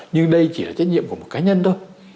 nhưng đây chỉ là trách nhiệm của một cá nhân thôi